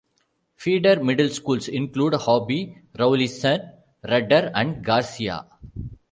Feeder middle schools include: Hobby, Rawlinson, Rudder, and Garcia.